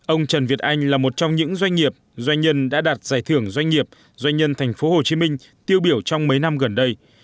ông trần việt anh là một trong những doanh nghiệp doanh nhân đã đạt giải thưởng doanh nghiệp doanh nhân tp hcm tiêu biểu trong mấy năm gần đây